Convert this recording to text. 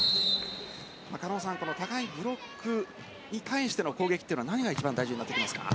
高いブロックに対しての攻撃は何が一番大事になってきますか。